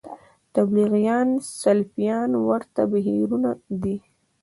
تبلیغیان سلفیان ورته بهیرونه دي